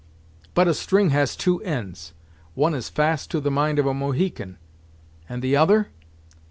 "But a string has two ends one is fast to the mind of a Mohican; and the other?"